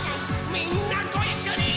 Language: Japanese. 「みんなごいっしょにー！」